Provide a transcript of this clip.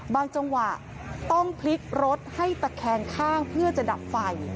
จังหวะต้องพลิกรถให้ตะแคงข้างเพื่อจะดับไฟ